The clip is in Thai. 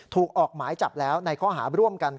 ออกหมายจับแล้วในข้อหาร่วมกัน